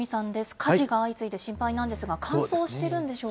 火事が相次いで心配なんですが、乾燥してるんでしょうか。